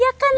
ya kan len